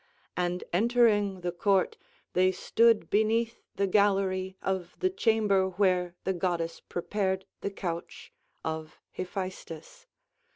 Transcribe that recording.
And entering the court they stood beneath the gallery of the chamber where the goddess prepared the couch of Hephaestus.